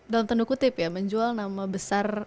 dalam tanda kutip ya menjual nama besar